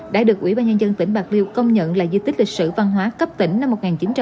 đã được quỹ ban nhân dân tỉnh bạc liêu công nhận là di tích lịch sử văn hóa cấp tỉnh năm một nghìn chín trăm chín mươi bảy